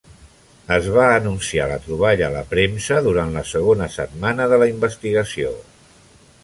Es va anunciar la troballa a la premsa durant la segons setmana de la investigació.